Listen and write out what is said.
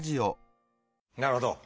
なるほど。